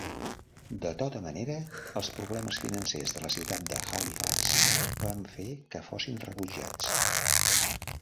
De tota manera, els problemes financers de la ciutat de Halifax van fer que fossin rebutjats.